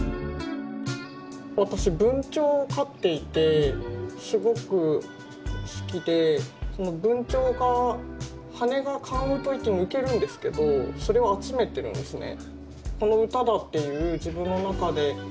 私文鳥を飼っていてすごく好きでその文鳥が羽根が換羽といって抜けるんですけどそれを集めてるんですね。